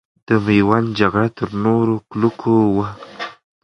د میوند جګړه تر نورو کلکو وه.